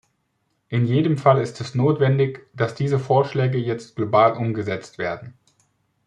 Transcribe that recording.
In jedem Fall ist es notwendig, dass diese Vorschläge jetzt global umgesetzt werden.